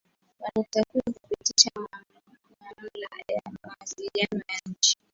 unatakiwa upitishwe na mamlaka ya mawasiliano ya nchi